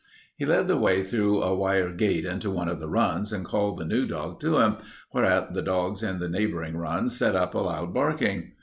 He led the way through a wire gate into one of the runs and called the new dog to him, whereat the dogs in the neighboring runs set up a loud barking.